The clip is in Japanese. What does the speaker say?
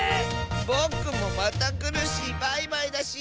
ぼくもまたくるしバイバイだし！